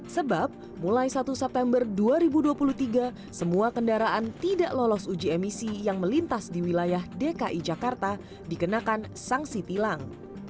sebab mulai satu september dua ribu dua puluh tiga semua kendaraan tidak lolos uji emisi yang melintas di wilayah dki jakarta dikenakan sanksi tilang